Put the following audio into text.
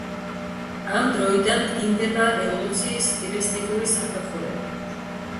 ამ დროიდან დგინდება ევოლუციის სტილისტიკური საფეხურები.